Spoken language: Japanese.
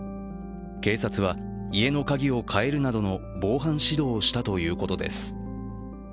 警察内絵の鍵を変えるなどの防犯指導をしたということです。